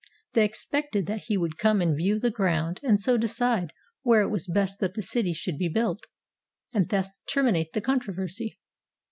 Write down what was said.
They expected that he would come and view the ground, and so decide where it was best that the city should be built, and thus terminate the controversy.